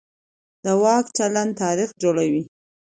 د واک چلند تاریخ جوړوي